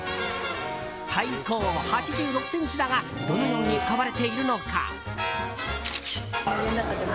体高８６ｃｍだがどのように飼われているのか。